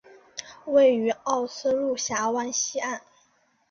位于奥斯陆峡湾西岸。